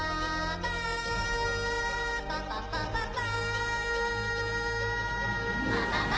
パパパパパパ